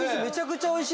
おいしい。